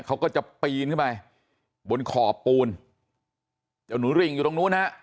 เขาก็จะปีนขึ้นไปบนขอบปูนเจ้าหนูริ่งอยู่ตรงนู้นฮะ